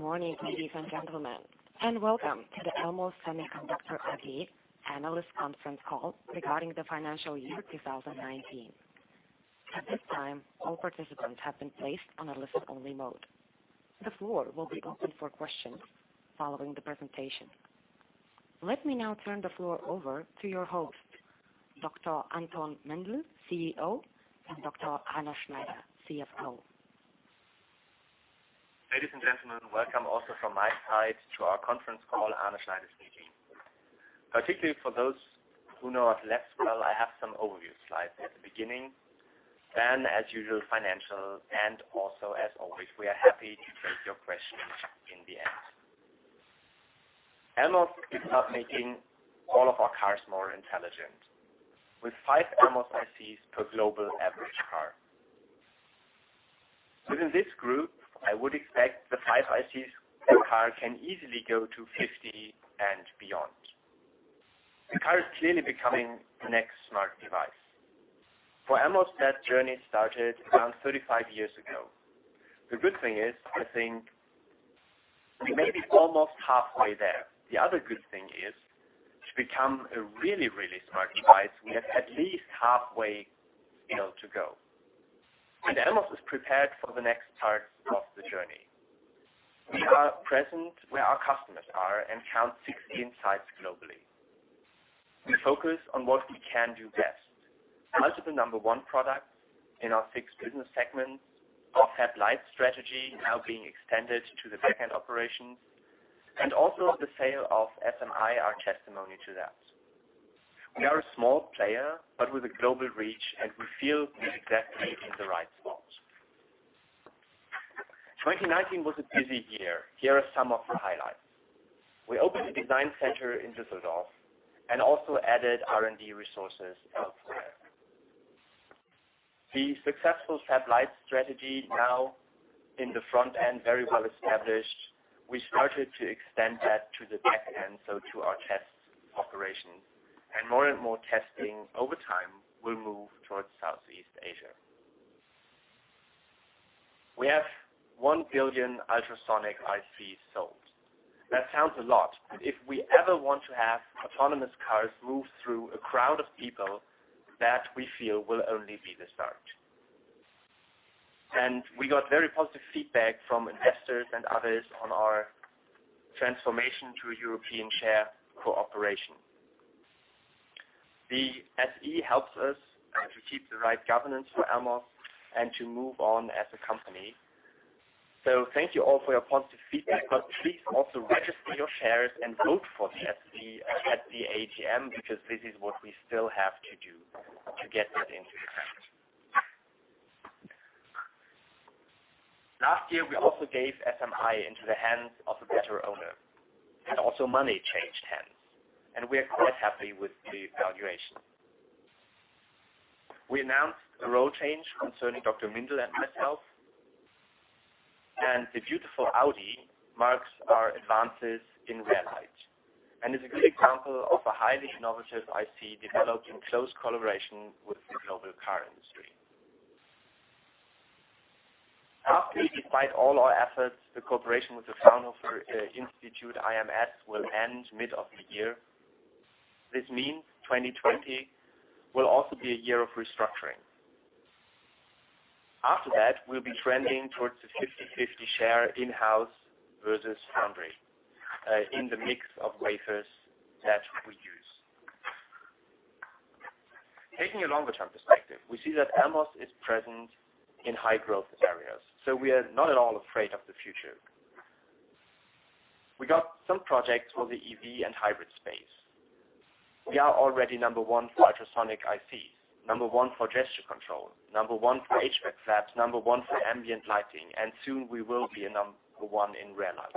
Morning, ladies and gentlemen, and welcome to the Elmos Semiconductor AG Analyst Conference Call Regarding the Financial Year 2019. At this time, all participants have been placed on a listen-only mode. The floor will be open for questions following the presentation. Let me now turn the floor over to your host, Dr. Anton Mindl, CEO, and Dr. Arne Schneider, CFO. Ladies and gentlemen, welcome also from my side to our conference call, Arne Schneider speaking. Particularly for those who know us less well, I have some overview slides at the beginning, then as usual, financial. Also as always, we are happy to take your questions in the end. Elmos is about making all of our cars more intelligent, with five Elmos ICs per global average car. Within this group, I would expect the five ICs per car can easily go to 50 and beyond. The car is clearly becoming the next smart device. For Elmos, that journey started around 35 years ago. The good thing is, I think we may be almost halfway there. The other good thing is, to become a really, really smart device, we have at least halfway to go. Elmos is prepared for the next part of the journey. We are present where our customers are and count 16 sites globally. We focus on what we can do best. Multiple number one products in our six business segments. Our Fab-Lite strategy now being extended to the back-end operations, and also the sale of SMI are testimony to that. We are a small player, but with a global reach, and we feel we are exactly in the right spot. 2019 was a busy year. Here are some of the highlights. We opened a design center in Düsseldorf and also added R&D resources elsewhere. The successful Fab-Lite strategy now in the front end, very well established. We started to extend that to the back end, so to our test operations, and more and more testing over time will move towards Southeast Asia. We have 1 billion ultrasonic ICs sold. That sounds a lot, but if we ever want to have autonomous cars move through a crowd of people, that we feel will only be the start. We got very positive feedback from investors and others on our transformation to a European share cooperation. The SE helps us to keep the right governance for Elmos and to move on as a company. Thank you all for your positive feedback, but please also register your shares and vote for the SE at the AGM, because this is what we still have to do to get that into effect. Last year, we also gave SMI into the hands of a better owner, and also money changed hands, and we are quite happy with the valuation. We announced a role change concerning Dr. Mindl and myself. The beautiful Audi marks our advances in rear light and is a good example of a highly innovative IC developed in close collaboration with the global car industry. Sadly, despite all our efforts, the cooperation with the Fraunhofer Institute IMS will end mid of the year. This means 2020 will also be a year of restructuring. After that, we'll be trending towards the 50/50 share in-house versus foundry in the mix of wafers that we use. Taking a longer-term perspective, we see that Elmos is present in high-growth areas. We are not at all afraid of the future. We got some projects for the EV and hybrid space. We are already number one for ultrasonic ICs, number one for gesture control, number one for HVAC flaps, number one for ambient lighting, and soon we will be a number one in rear light.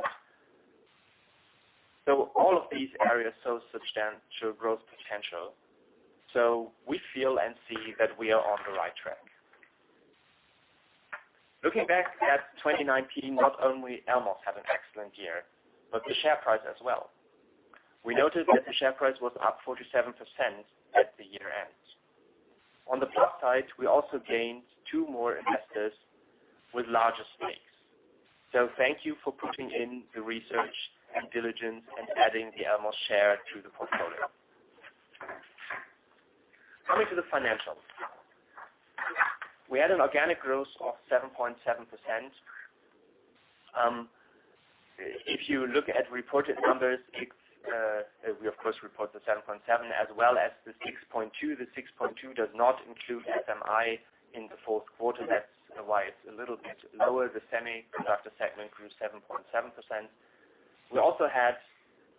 All of these areas show substantial growth potential. We feel and see that we are on the right track. Looking back at 2019, not only Elmos had an excellent year, but the share price as well. We noted that the share price was up 47% at the year-end. On the plus side, we also gained two more investors with larger stakes. Thank you for putting in the research and diligence and adding the Elmos share to the portfolio. Coming to the financials. We had an organic growth of 7.7%. If you look at reported numbers, we of course report the 7.7% as well as the 6.2%. The 6.2 does not include SMI in the fourth quarter. That's why it's a little bit lower. The semiconductor segment grew 7.7%. We also had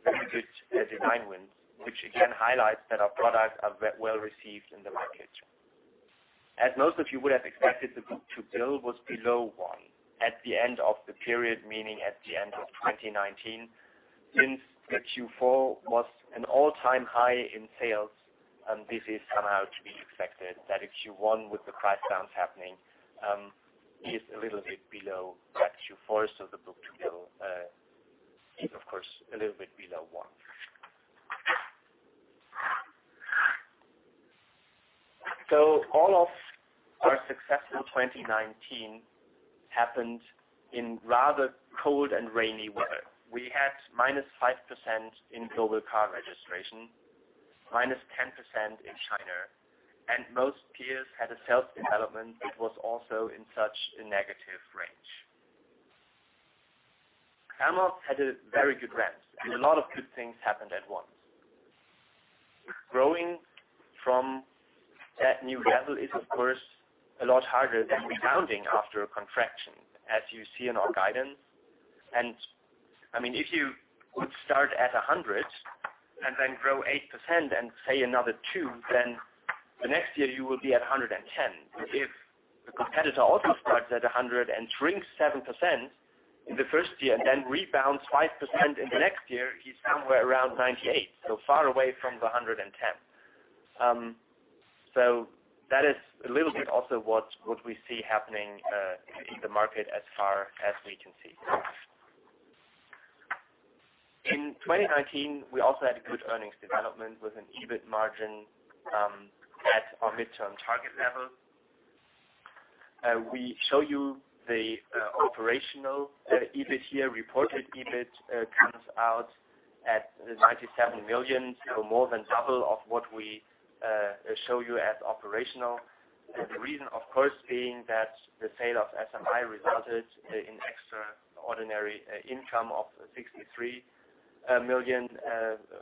very good design wins, which again highlights that our products are well received in the market. As most of you would have expected, the book-to-bill was below one at the end of the period, meaning at the end of 2019. Since the Q4 was an all-time high in sales, this is somehow to be expected, that a Q1 with the price downs happening, is a little bit below that Q4. The book-to-bill is of course a little bit below one. All of our success in 2019 happened in rather cold and rainy weather. We had -5% in global car registration, -10% in China, and most peers had a sales development that was also in such a negative range. Amalfi had a very good ramp. A lot of good things happened at once. Growing from that new level is, of course, a lot harder than rebounding after a contraction, as you see in our guidance. If you would start at 100 and then grow 8% and say another two, then the next year you will be at 110. If the competitor also starts at 100 and shrinks 7% in the first year and then rebounds 5% in the next year, he's somewhere around 98, so far away from the 110. That is a little bit also what we see happening in the market as far as we can see. In 2019, we also had good earnings development with an EBIT margin at our midterm target level. We show you the operational EBIT here, reported EBIT comes out at 97 million, so more than double of what we show you as operational. The reason, of course, being that the sale of SMI resulted in extraordinary income of 63 million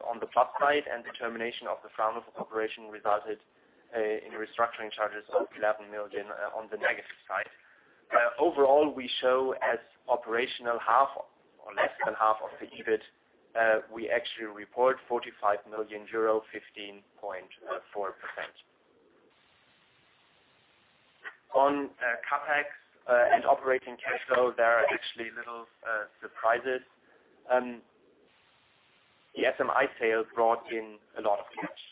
on the plus side, and the termination of the Fraunhofer operation resulted in restructuring charges of 11 million on the negative side. Overall, we show as operational half or less than half of the EBIT. We actually report 45 million euro, 15.4%. On CapEx and operating cash flow, there are actually little surprises. The SMI sale brought in a lot of cash.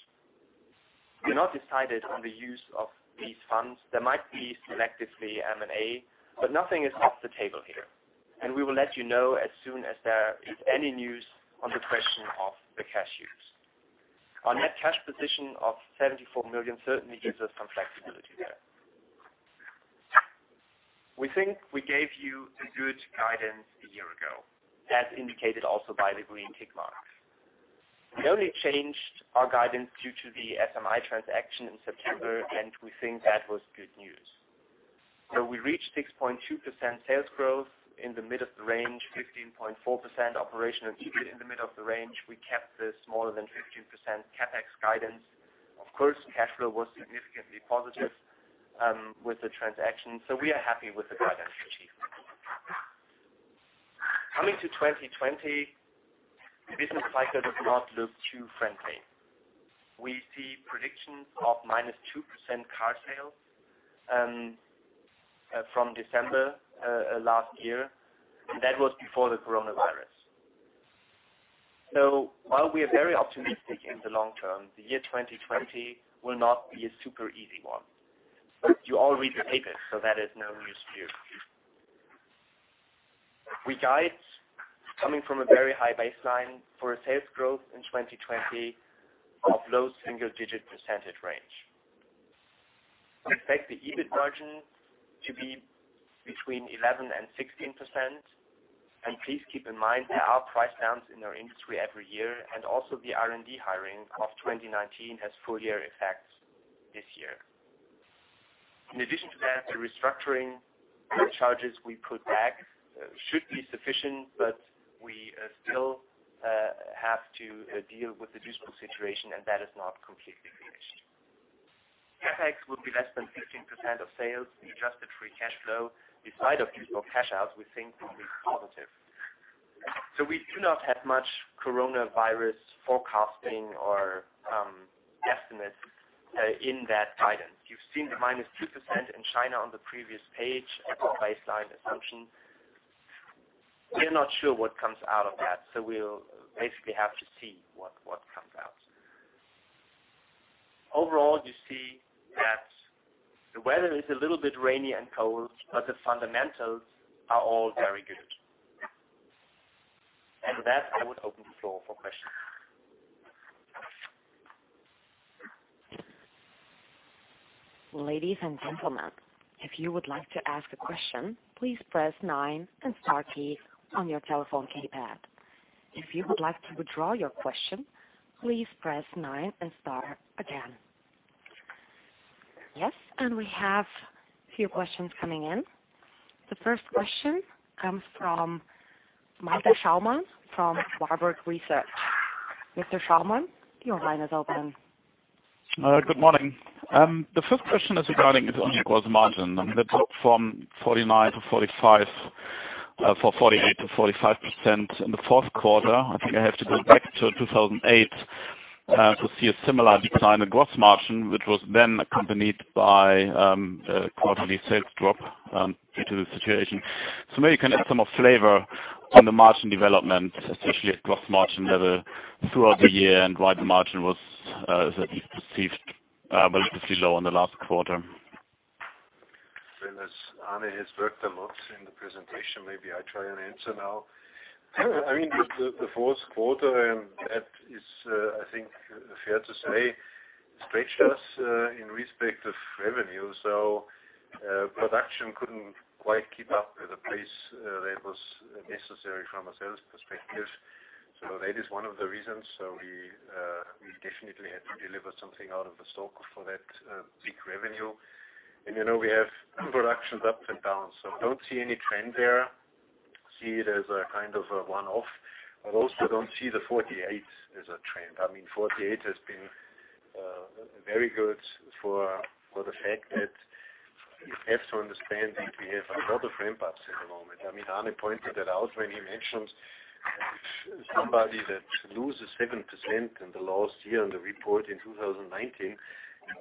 We are not decided on the use of these funds. There might be selectively M&A, but nothing is off the table here, and we will let you know as soon as there is any news on the question of the cash use. Our net cash position of 74 million certainly gives us some flexibility there. We think we gave you a good guidance a year ago, as indicated also by the green tick mark. We only changed our guidance due to the SMI transaction in September, and we think that was good news. We reached 6.2% sales growth in the middle of the range, 15.4% operational EBIT in the middle of the range. We kept the smaller than 15% CapEx guidance. Of course, cash flow was significantly positive with the transaction, so we are happy with the guidance achievement. Coming to 2020, the business cycle does not look too friendly. We see predictions of -2% car sales from December last year. That was before the coronavirus. While we are very optimistic in the long term, the year 2020 will not be a super easy one. You all read the papers, so that is no news to you. We guide coming from a very high baseline for a sales growth in 2020 of low single-digit percentage range. We expect the EBIT margin to be between 11% and 16%. Please keep in mind there are price downs in our industry every year, and also the R&D hiring of 2019 has full year effect this year. In addition to that, the restructuring charges we put back should be sufficient, but we still have to deal with the situation, and that is not completely finished. CapEx will be less than 15% of sales. The adjusted free cash flow, beside of usual cash outs, we think will be positive. We do not have much coronavirus forecasting or estimates in that guidance. You've seen the -2% in China on the previous page as a baseline assumption. We are not sure what comes out of that, we'll basically have to see what comes out. Overall, you see that the weather is a little bit rainy and cold, the fundamentals are all very good. With that, I would open the floor for questions. Ladies and gentlemen, if you would like to ask a question, please press nine and star key on your telephone keypad. If you would like to withdraw your question, please press nine and star again. Yes, we have a few questions coming in. The first question comes from Malte Schaumann from Warburg Research. Mr. Schaumann, your line is open. Good morning. The first question is regarding the gross margin. That's up from 49% to 45%, for 48% to 45% in the fourth quarter. I think I have to go back to 2008 to see a similar decline in gross margin, which was then accompanied by a quarterly sales drop due to the situation. Maybe you can add some more flavor on the margin development, especially at gross margin level throughout the year and why the margin was at least perceived relatively low in the last quarter. Arne has worked a lot in the presentation. Maybe I try and answer now. I mean, the fourth quarter, and that is, I think, fair to say, stretched us in respect of revenue. Production couldn't quite keep up with the pace that was necessary from a sales perspective. That is one of the reasons. We definitely had to deliver something out of the stock for that big revenue. We have productions up and down, so don't see any trend there. See it as a kind of a one-off. I also don't see the 48% as a trend. I mean, 48% has been very good for the fact that you have to understand that we have a lot of ramp-ups at the moment. I mean, Arne pointed that out when he mentioned somebody that loses 7% in the last year on the report in 2019 and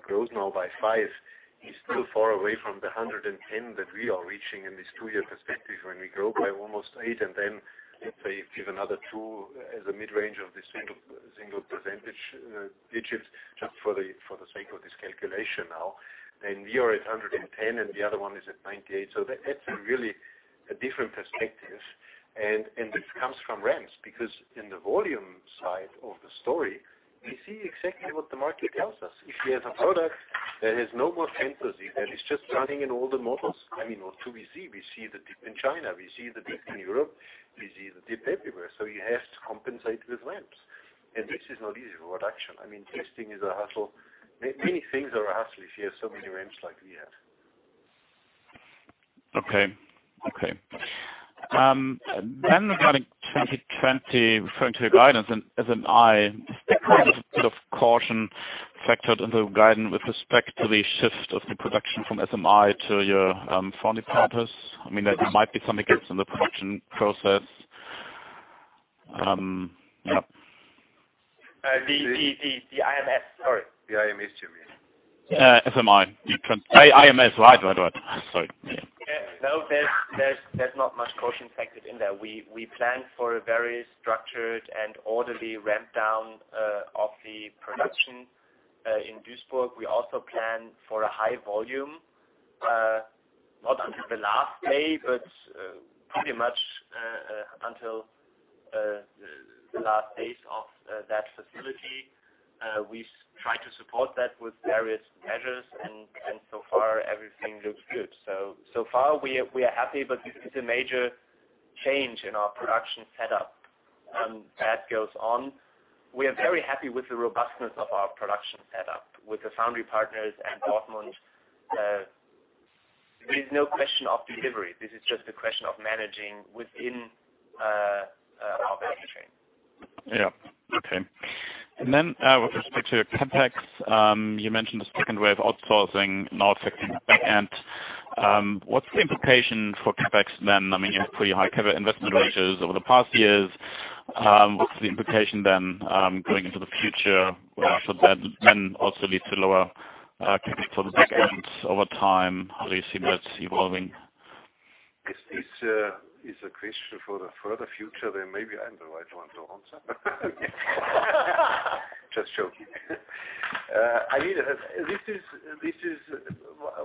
grows now by 5%, is still far away from the 110 that we are reaching in this two-year perspective when we grow by almost 8% and then, let's say give another 2% as a mid-range of the single percentage digits just for the sake of this calculation now. We are at 110, and the other one is at 98. That's a really different perspective. This comes from ramps, because in the volume side of the story, we see exactly what the market tells us. If we have a product that has no more fantasy, that is just running in all the models. I mean, what do we see? We see the dip in China, we see the dip in Europe, we see the dip everywhere. You have to compensate with ramps. This is not easy for production. I mean, testing is a hassle. Many things are a hassle if you have so many ramps like we had. Okay. Regarding 2020, referring to your guidance and SMI, is there a bit of caution factored into the guidance with respect to the shift of the production from SMI to your foundry partners? I mean, there might be some gaps in the production process. Yeah. The IMS, sorry. The IMS, you mean? SMI. IMS, right. Sorry. No, there's not much caution factored in there. We plan for a very structured and orderly ramp-down of the production in Duisburg. We also plan for a high volume, not until the last day, but pretty much until the last days of that facility. We try to support that with various measures, and so far everything looks good. So far we are happy, but this is a major change in our production setup that goes on. We are very happy with the robustness of our production setup with the foundry partners and Dortmund. There is no question of delivery. This is just a question of managing within our value chain. Yeah. Okay. With respect to CapEx, you mentioned a second wave outsourcing, not fixing the back end. What's the implication for CapEx then? I mean, you have pretty high covered investment ratios over the past years. What's the implication then, going into the future? Should that then also lead to lower CapEx for the back end over time? How do you see that evolving? If this is a question for the further future, then maybe I'm the right one to answer. Just joking. This is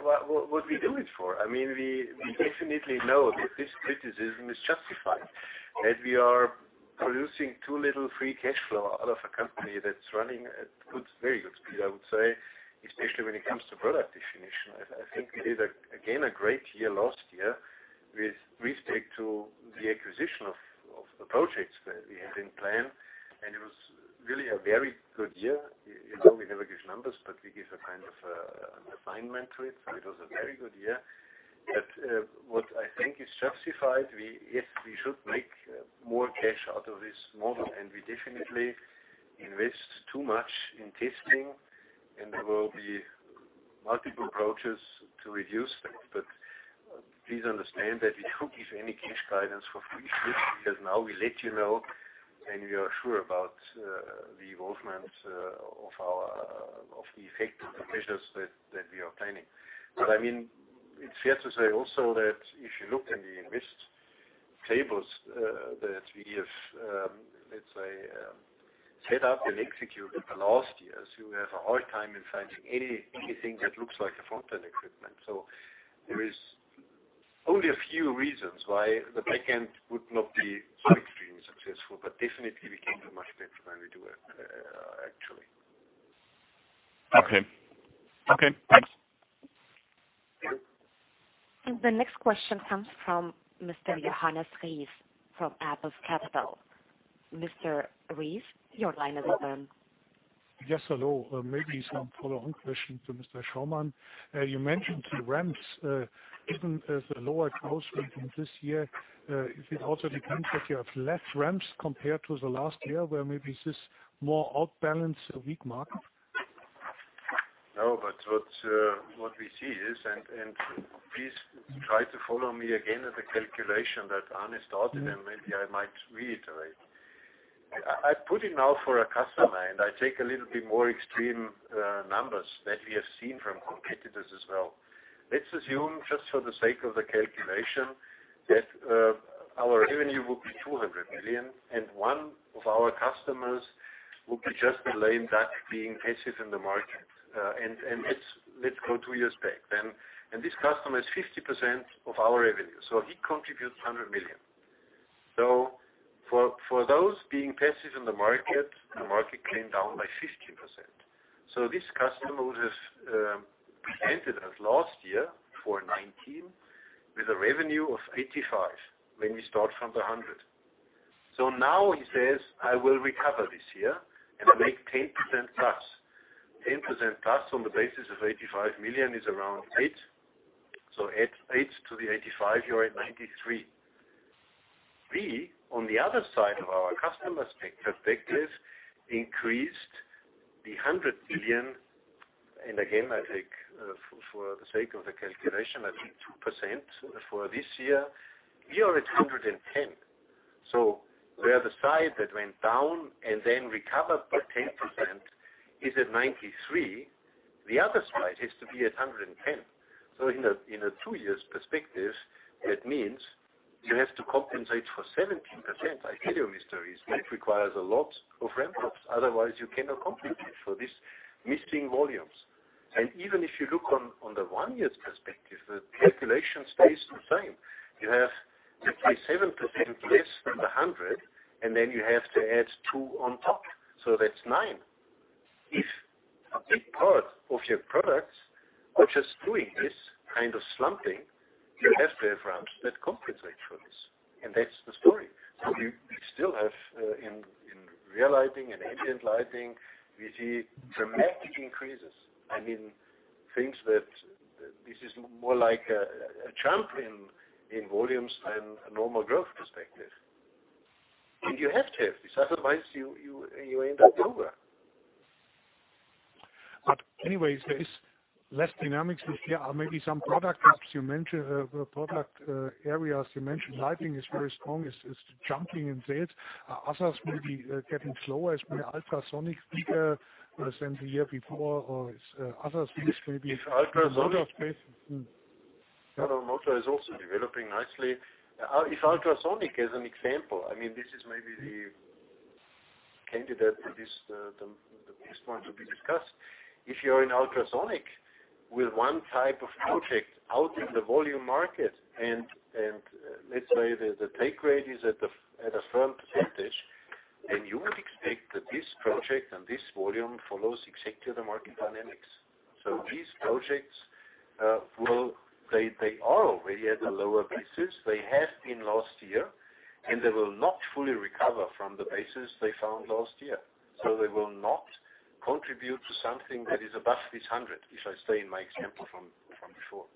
what we do it for. We definitely know that this criticism is justified, that we are producing too little free cash flow out of a company that's running at very good speed, I would say, especially when it comes to product definition. I think it is again, a great year last year with respect to the acquisition of the projects that we had in plan, and it was really a very good year. You know we never give numbers, but we give a kind of an assignment to it. It was a very good year. What I think is justified, yes, we should make more cash out of this model, and we definitely invest too much in testing, and there will be multiple approaches to reduce that. Please understand that we don't give any cash guidance for free this year. Now we let you know, and we are sure about the involvement of the effective measures that we are planning. I mean, it's fair to say also that if you look in the invest tables that we have, let's say, set up and executed the last years, you have a hard time in finding anything that looks like a front-end equipment. There is only a few reasons why the back end would not be extremely successful. Definitely, we can do much better than we do it, actually. Okay. Thanks. The next question comes from Mr. Johannes Ries from Apus Capital. Mr. Ries, your line is open. Yes, hello. Maybe some follow-on question to Mr. Schaumann. You mentioned the ramps, given the lower growth rate in this year, is it also the case that you have less ramps compared to the last year where maybe it's this more out of balance weak market? What we see is, please try to follow me again at the calculation that Arne started, maybe I might reiterate. I put it now for a customer, and I take a little bit more extreme numbers that we have seen from competitors as well. Let's assume, just for the sake of the calculation, that our revenue will be 200 million and one of our customers. We could just be laying back, being passive in the market. Let's go two years back then. This customer is 50% of our revenue, so he contributes 100 million. For those being passive in the market, the market came down by 50%. This customer would have presented us last year for 2019 with a revenue of 85 when we start from the 100. Now he says, "I will recover this year and make 10%+." 10%+ on the basis of 85 million is around 8. Add 8 to the 85, you're at 93. We, on the other side of our customers perspective, increased the 100 million, and again, I take for the sake of the calculation, I take 2% for this year. We are at 110. Where the side that went down and then recovered by 10% is at 93, the other side has to be at 110. In a two years perspective, that means you have to compensate for 17%. I tell you, Johannes Ries, that requires a lot of ramp-ups, otherwise you cannot compensate for these missing volumes. Even if you look on the one year perspective, the calculation stays the same. You have to take 7% less than 100, and then you have to add two on top. That's nine. If a big part of your products are just doing this kind of slumping, you have to have ramps that compensate for this. That's the story. We still have, in rear light and ambient lighting, we see dramatic increases. I mean, this is more like a jump in volumes than a normal growth perspective. You have to have this, otherwise you end up over. Anyway, there is less dynamics this year. Maybe some product gaps you mentioned, product areas you mentioned. Lighting is very strong, is jumping in sales. Others may be getting slower, as may ultrasonic speaker than the year before. It's ultrasonic. Motor space. Mm-hmm. No, motor is also developing nicely. Ultrasonic, as an example, I mean, this is maybe the candidate that is the best one to be discussed. You're in ultrasonic with one type of project out in the volume market, and let's say the take rate is at a firm percentage, you would expect that this project and this volume follows exactly the market dynamics. These projects, they are already at a lower basis. They have been last year, and they will not fully recover from the basis they found last year. They will not contribute to something that is above this 100, if I stay in my example from before.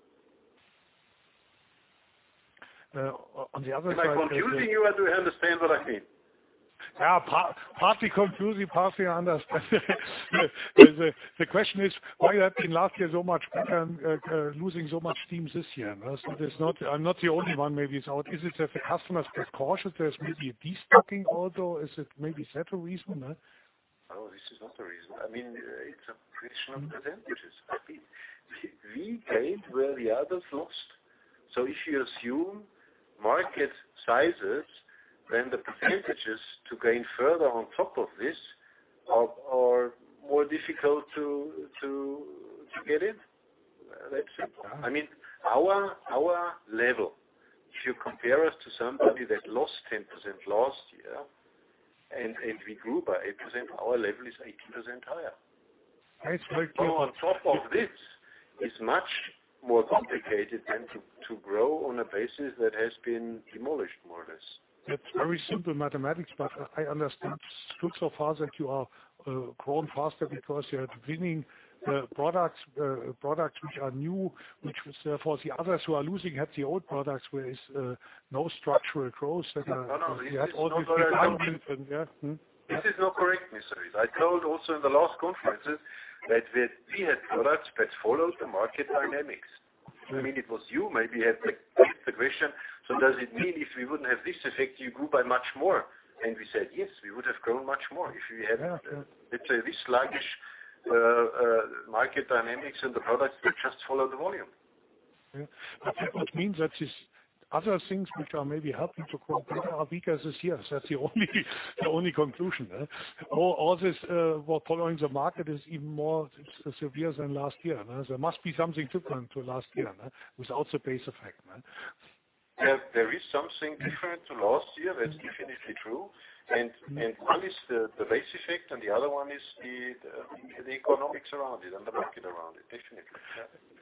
On the other side. Am I confusing you, or do you understand what I mean? Yeah. Partly confusing, partly I understand. The question is why you have been last year so much better and losing so much steam this year. I'm not the only one maybe who's out. Is it that the customer is cautious? There's maybe a de-stocking also. Is it maybe that reason? No, this is not the reason. I mean, it's a question of percentages. We gained where the others lost. If you assume market sizes, then the percentages to gain further on top of this are more difficult to get in. That's simple. I mean, our level, if you compare us to somebody that lost 10% last year and we grew by 8%, our level is 18% higher. I expect. To go on top of this is much more complicated than to grow on a basis that has been demolished, more or less. That's very simple mathematics. I understand good so far that you are growing faster because you are winning products which are new. For the others who are losing had the old products where there is no structural growth. No, this is not correct. You have all these new companies. Yeah. Mm-hmm. This is not correct, Johannes Ries. I told also in the last conferences that we had products that followed the market dynamics. I mean, it was you maybe had the question, "So does it mean if we wouldn't have this effect, you grew by much more?" We said, "Yes, we would have grown much more if we had. Yeah. Yeah. Let's say, this sluggish market dynamics and the products would just follow the volume. Yeah. That means that these other things which are maybe helping to grow bigger are weaker this year. That's the only conclusion. All this while following the market is even more severe than last year. There must be something different to last year without the base effect, right? There is something different to last year, that's definitely true. One is the base effect, and the other one is the economics around it and the market around it, definitely.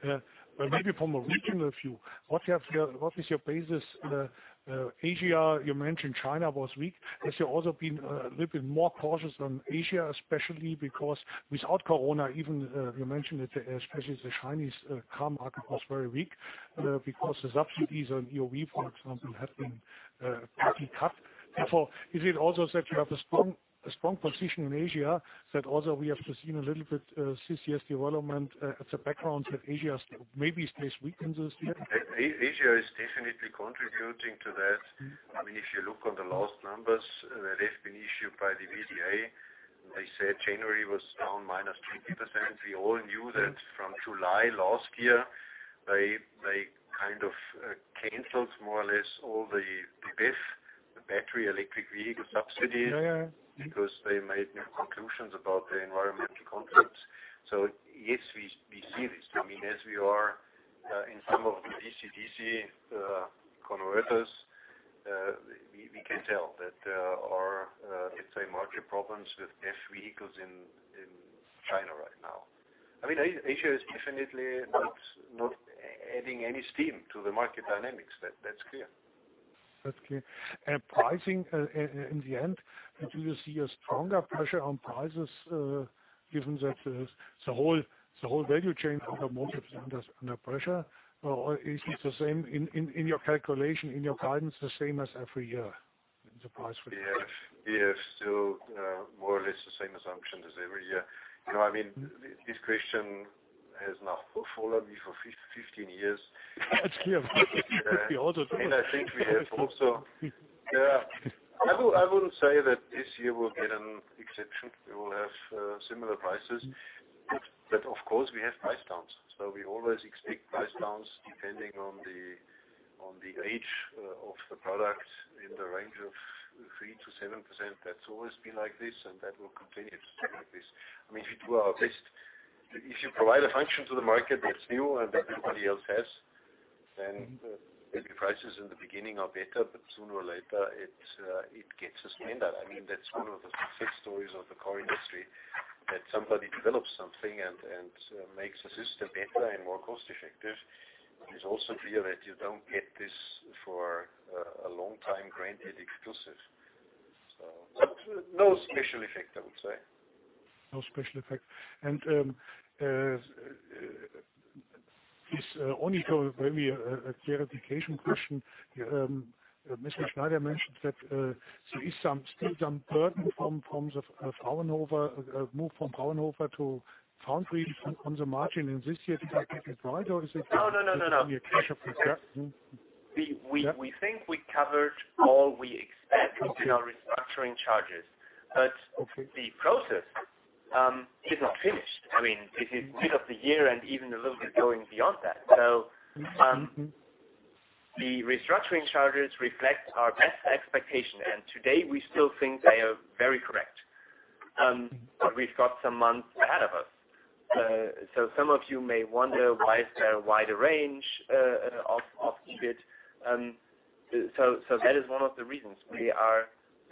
Yeah. Maybe from a regional view, what is your basis? Asia, you mentioned China was weak. Have you also been a little bit more cautious on Asia, especially because without COVID, even you mentioned that especially the Chinese car market was very weak because the subsidies on EV, for example, have been partly cut. Is it also that you have a strong position in Asia that also we have just seen a little bit CCS development at the background that Asia maybe stays weak in this year? Asia is definitely contributing to that. I mean, if you look on the last numbers that have been issued by the VDA, they said January was down 3%. We all knew that from July last year. They kind of canceled more or less all the BEV, the battery electric vehicle subsidies. Yeah. Because they made new conclusions about the environmental concepts. Yes, we see this. As we are in some of the DC-DC converters, we can tell that there are let's say, margin problems with EV vehicles in China right now. Asia is definitely not adding any steam to the market dynamics. That's clear. That's clear. Pricing in the end, do you see a stronger pressure on prices, given that the whole value chain for the automotive is under pressure? Is it the same in your calculation, in your guidance, the same as every year? We have still more or less the same assumption as every year. This question has now followed me for 15 years. That's clear. It's the auto business. I wouldn't say that this year will be an exception. We will have similar prices, but of course, we have price downs. We always expect price downs depending on the age of the product in the range of 3%-7%. That's always been like this, and that will continue to be like this. We do our best. If you provide a function to the market that's new and that nobody else has, then maybe prices in the beginning are better, but sooner or later, it gets a standard. That's one of the success stories of the car industry, that somebody develops something and makes the system better and more cost-effective. It's also clear that you don't get this for a long time granted exclusive. No special effect, I would say. No special effect. This, maybe a clarification question. Mr. Schneider mentioned that there is still some burden from the move from Fraunhofer to foundry on the margin in this year. Is that right? No. Only a cash effect? We think we covered all we. Okay. In our restructuring charges. Okay. The process isn't finished. It is mid of the year and even a little bit going beyond that. The restructuring charges reflect our best expectation. Today, we still think they are very correct. We've got some months ahead of us. Some of you may wonder why there is a wider range of EBIT. That is one of the reasons. We are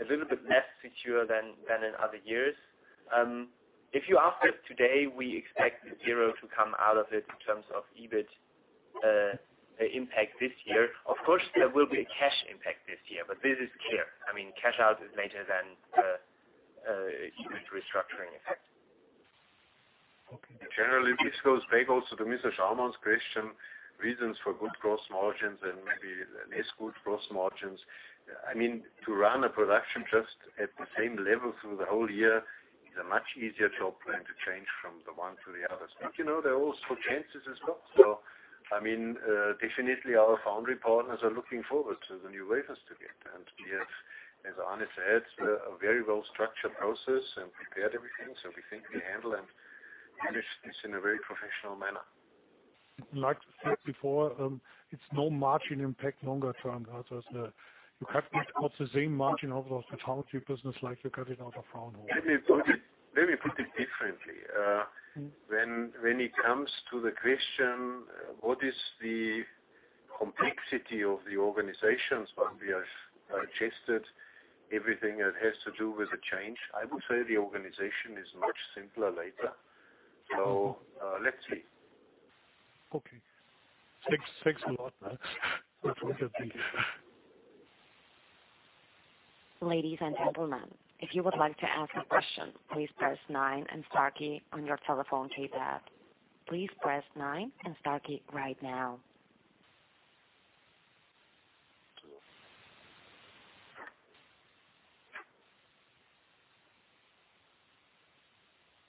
a little bit less secure than in other years. If you ask us today, we expect zero to come out of it in terms of EBIT impact this year. Of course, there will be a cash impact this year. This is clear. Cash out is later than the EBIT restructuring effect. Okay. Generally, this goes back also to Mr. Schaumann's question, reasons for good gross margins and maybe less good gross margins. To run a production just at the same level through the whole year is a much easier job than to change from the one to the other. There are also chances as well. Definitely our foundry partners are looking forward to the new wafers to get. We have, as Arne said, a very well-structured process and prepared everything. We think we handle and manage this in a very professional manner. Like you said before, it's no margin impact longer term. You cut not the same margin out of the foundry business like you cut it out of Fraunhofer. Let me put it differently. When it comes to the question, what is the complexity of the organizations when we have adjusted everything that has to do with the change? I would say the organization is much simpler later. Let's see. Okay. Thanks a lot, guys. That was it. Thank you. Ladies and gentlemen, if you would like to ask a question, please press nine and star key on your telephone keypad. Please press nine and star key right now.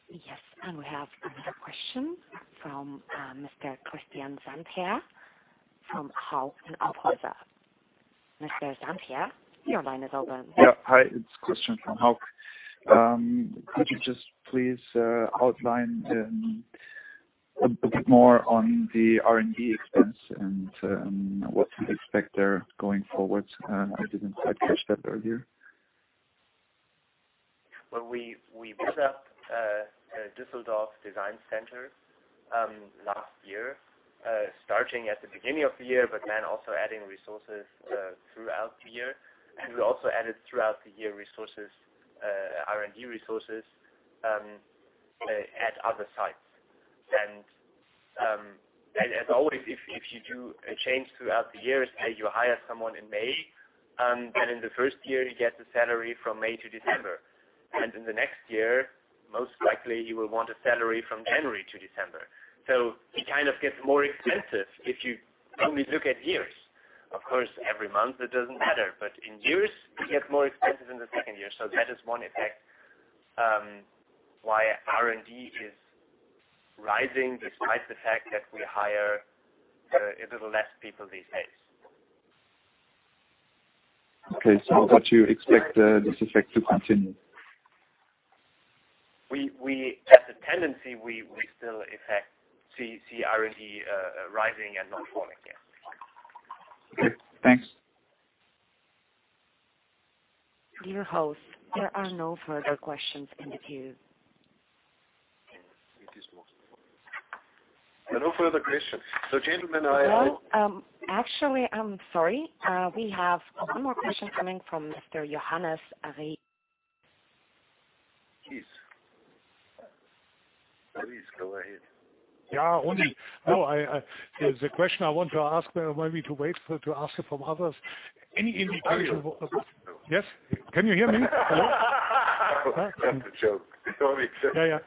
We have another question from Mr. Christian Sandherr from Hauck & Aufhäuser. Mr. Sandherr, your line is open. Hi, it's Christian from Hauck. Could you just please outline a bit more on the R&D expense and what to expect there going forward? I didn't quite catch that earlier. Well, we built up a Düsseldorf design center last year, starting at the beginning of the year, but then also adding resources throughout the year. We also added throughout the year R&D resources at other sites. As always, if you do a change throughout the years, say you hire someone in May, then in the first year, you get the salary from May to December. In the next year, most likely you will want a salary from January to December. It kind of gets more expensive if you only look at years. Of course, every month it doesn't matter. In years, it gets more expensive in the second year. That is one effect why R&D is rising despite the fact that we hire a little less people these days. Okay. What you expect this effect to continue? As a tendency, we still see R&D rising and not falling yet. Okay, thanks. Dear host, there are no further questions in the queue. Yes. It is most. There are no further questions. Well, actually, I'm sorry. We have one more question coming from Mr. Johannes Ries. Please. Please go ahead. Yeah, No, the question I want to ask, maybe to wait to ask it from others. Any indication Yes. Can you hear me? Hello? That's a joke. Sorry. Yeah.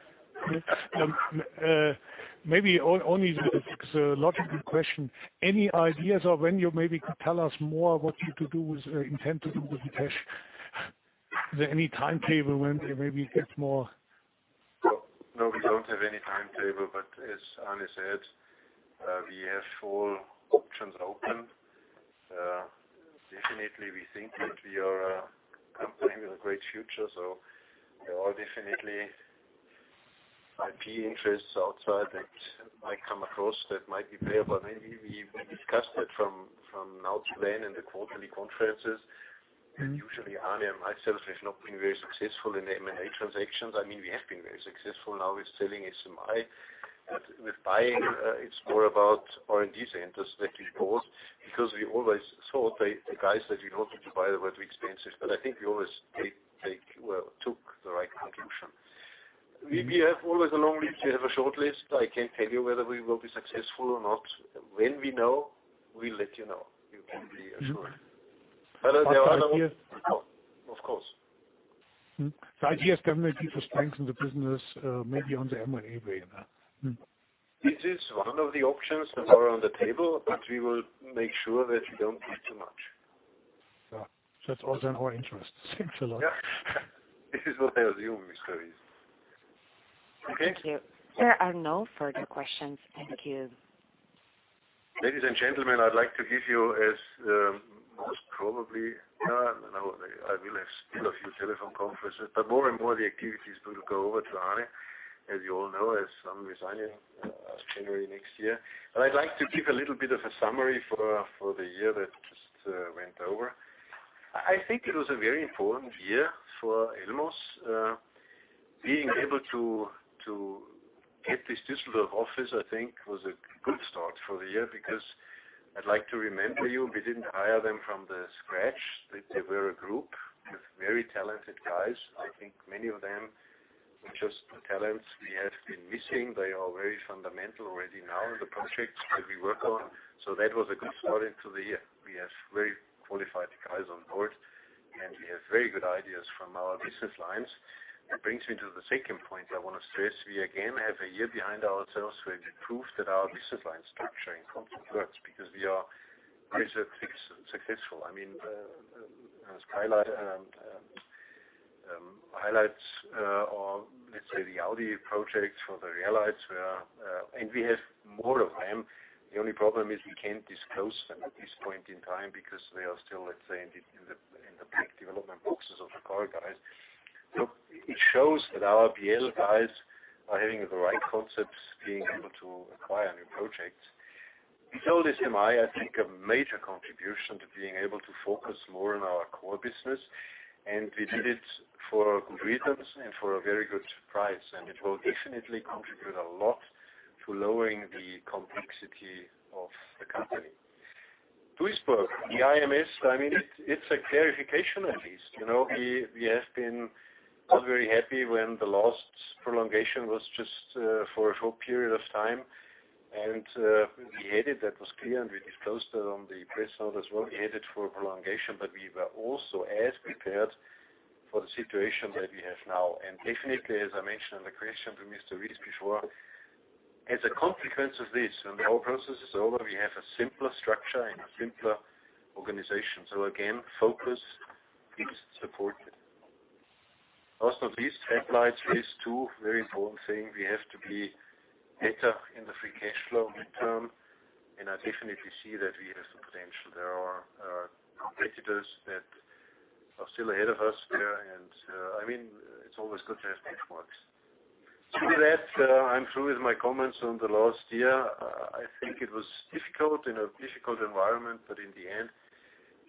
Maybe only the logical question. Any ideas of when you maybe could tell us more what you could do, intend to do with the cash? Is there any timetable when there maybe get more? No, we don't have any timetable, but as Arne said, we have all options open. Definitely, we think that we are a company with a great future, so there are definitely IP interests outside that might come across that might be payable. Maybe we discussed that from now to then in the quarterly conferences, and usually Arne and myself have not been very successful in M&A transactions. We have been very successful now with selling SMI. With buying, it's more about R&D centers that we bought because we always thought the guys that we wanted to buy were way too expensive, but I think we always took the right conclusion. We have always a long list. We have a short list. I can't tell you whether we will be successful or not. When we know, we let you know. We won't be as sure. There are other ones. Oh, of course. Ideas can maybe to strengthen the business, maybe on the M&A way now. It is one of the options that are on the table, but we will make sure that we don't pay too much. Yeah. That's also in our interest. Thanks a lot. Yeah. This is what I assume is true. Okay. Thank you. There are no further questions in the queue. Ladies and gentlemen, I'd like to give you as, most probably, I will have still a few telephone conferences, but more and more the activities will go over to Arne, as you all know, as I'm resigning as January next year. I'd like to give a little bit of a summary for the year that just went over. I think it was a very important year for Elmos. Being able to get this Duisburg office, I think, was a good start for the year because I'd like to remember you, we didn't hire them from the scratch. They were a group with very talented guys. I think many of them were just the talents we have been missing. They are very fundamental already now in the projects that we work on. That was a good start into the year. We have very qualified guys on board, and we have very good ideas from our business lines. That brings me to the second point I want to stress. We again have a year behind ourselves where we proved that our business line structure in company works because we are research successful. Highlights or let's say the Audi projects for the rear lights. We have more of them. The only problem is we can't disclose them at this point in time because they are still, let's say, in the back development boxes of the car guys. It shows that our BL guys are having the right concepts, being able to acquire new projects. We sold SMI, I think, a major contribution to being able to focus more on our core business, and we did it for good reasons and for a very good price, and it will definitely contribute a lot to lowering the complexity of the company. Duisburg, the IMS, it's a clarification at least. We have been not very happy when the last prolongation was just for a short period of time, and we headed, that was clear, and we disclosed it on the press note as well. We headed for prolongation, but we were also as prepared for the situation that we have now. Definitely, as I mentioned in the question to Mr. Ries before, as a consequence of this, when the whole process is over, we have a simpler structure and a simpler organization. Again, focus is supported. Also these track lights raise two very important thing. We have to be better in the free cash flow midterm, and I definitely see that we have some potential. There are competitors that are still ahead of us there, and it's always good to have benchmarks. To that, I'm through with my comments on the last year. I think it was difficult in a difficult environment, but in the end,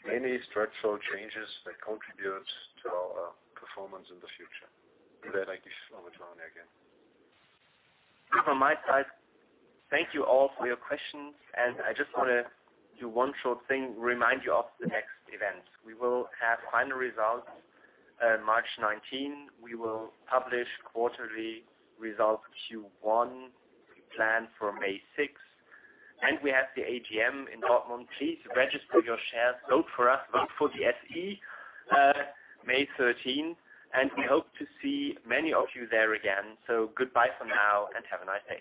many structural changes that contribute to our performance in the future. With that, I give over to Arne again. From my side, thank you all for your questions, and I just want to do one short thing, remind you of the next events. We will have final results March 19. We will publish quarterly results Q1. We plan for May 6, and we have the AGM in Dortmund. Please register your shares, vote for us, vote for the SE, May 13, and we hope to see many of you there again. Goodbye for now and have a nice day.